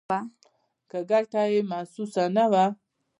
که ګټه یې محسوسه نه وه.